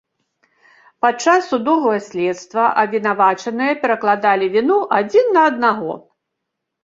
Падчас судовага следства абвінавачаныя перакладалі віну адзін на аднаго.